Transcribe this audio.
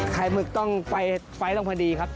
ไข่หมึกต้องไฟลงพอดีครับ